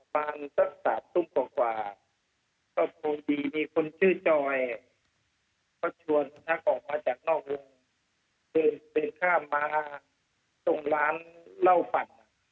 ประมาณสัก๓ศุมศ์กว่ากว่าก็โทษดีมีคนชื่อจอยก็ชวนทักออกมาจากนอกวงเดินไปข้ามมาส่งร้านเล่าปั่น